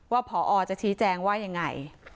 ว่าพอจะชี้แจงว่าอย่างไร